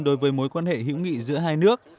đối với mối quan hệ hữu nghị giữa hai nước